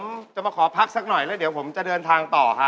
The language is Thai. เดี๋ยวจะมาขอพักสักหน่อยแล้วเดี๋ยวจะเดินทางต่อค่ะ